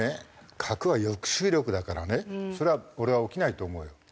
核は抑止力だからねそれは俺は起きないと思うよ絶対に。